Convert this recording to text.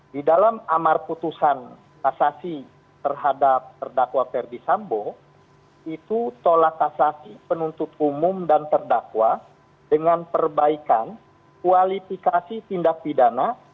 di dalam amar putusan kasasi terhadap terdakwa ferdi sambo itu tolak kasasi penuntut umum dan terdakwa dengan perbaikan kualifikasi tindak pidana